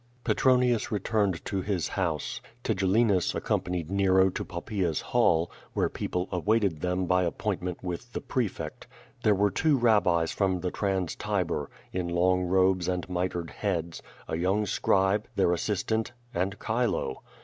Petronius returned to his house. Tigellinus accompanied Nero to Poppaea's hall, where people awaited them by ap jjointment with the prefect. There were two rabbis from the Trans Tiber, in long robes and mitred heads, a young scribe, their assistant, and Chile.